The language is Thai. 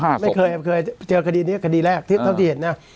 ไม่เคยเคยเจอคดีนี้คดีแรกที่เท่าที่เห็นนะ